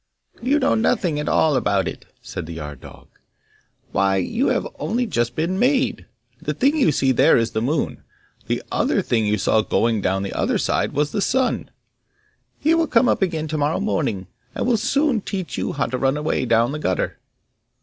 'You know nothing at all about it,' said the yard dog. 'Why, you have only just been made. The thing you see there is the moon; the other thing you saw going down the other side was the sun. He will come up again tomorrow morning, and will soon teach you how to run away down the gutter.